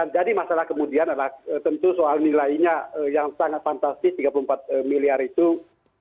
jadi masalah kemudian adalah tentu soal nilainya yang sangat fantastis tiga puluh empat miliar rupiah